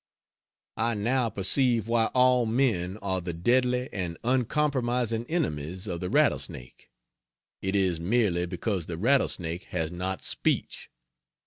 I now perceive why all men are the deadly and uncompromising enemies of the rattlesnake: it is merely because the rattlesnake has not speech.